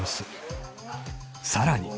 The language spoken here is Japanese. ［さらに］